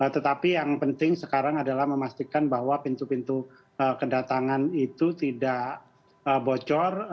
tetapi yang penting sekarang adalah memastikan bahwa pintu pintu kedatangan itu tidak bocor